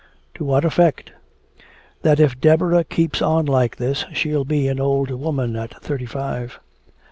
"To what effect?" "That if Deborah keeps on like this she'll be an old woman at thirty five."